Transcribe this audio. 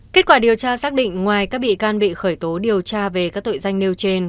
kết quả điều tra xác định ngoài các bị can bị khởi tố điều tra về các tội danh nêu trên